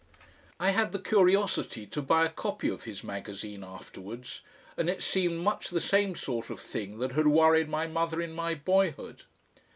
I had the curiosity to buy a copy of his magazine afterwards, and it seemed much the same sort of thing that had worried my mother in my boyhood.